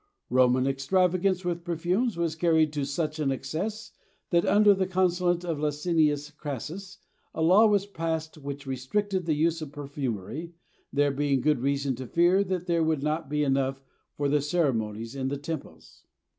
Roman extravagance with perfumes was carried to such an excess that under the consulate of Licinius Crassus a law was passed which restricted the use of perfumery, there being good reason to fear that there would not be enough for the ceremonies in the temples.